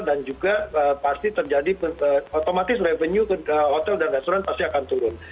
dan juga pasti terjadi otomatis revenue hotel dan restoran pasti akan turun